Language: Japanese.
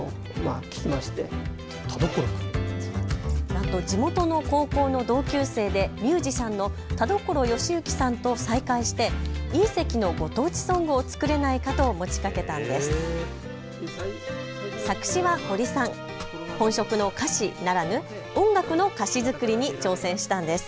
なんと地元の高校の同級生でミュージシャンの田所ヨシユキさんと再会して隕石のご当地ソングを作れないかと持ちかけたんです。